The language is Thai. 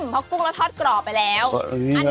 เพราะกุ้งเราทอดกรอบไปแล้ว